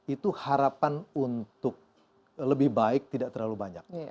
itu harapan untuk lebih baik tidak terlalu banyak